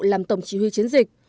làm tổng chỉ huy chiến dịch